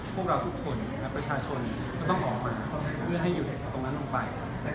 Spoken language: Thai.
พวกเราทุกคนประชาชนก็ต้องออกมาเพื่อให้อยู่ในตรงนั้นลงไป